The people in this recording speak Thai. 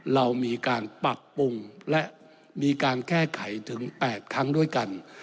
เรามีการปรับปรุงและมีการแก้ไขถึง๘ครั้งด้วยกัน